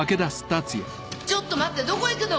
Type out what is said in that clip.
ちょっと待ってどこ行くの！？